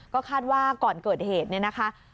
ก็คาดว่าก่อนเกิดเหตุเนี่ยนะคะ